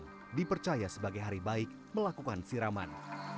pada jumat kliwon dipercaya sebagai hari baik melakukan siraman